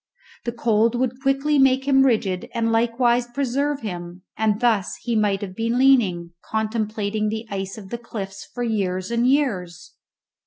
The cold would quickly make him rigid and likewise preserve him, and thus he might have been leaning, contemplating the ice of the cliffs, for years and years!